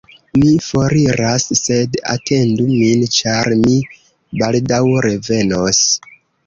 Mi foriras, sed atendu min, ĉar mi baldaŭ revenos.